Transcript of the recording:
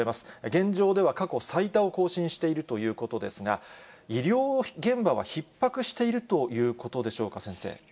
現状では過去最多を更新しているということですが、医療現場はひっ迫しているということでしょうか、先生。